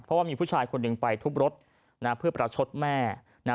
เพราะว่ามีผู้ชายคนหนึ่งไปทุบรถนะเพื่อประชดแม่นะ